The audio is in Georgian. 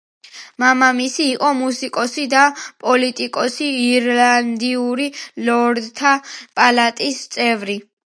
მამამისი იყო მუსიკოსი და პოლიტიკოსი, ირლანდიური ლორდთა პალატის წევრი.